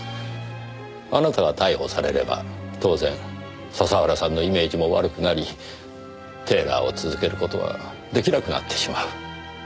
あなたが逮捕されれば当然笹原さんのイメージも悪くなりテーラーを続ける事は出来なくなってしまう。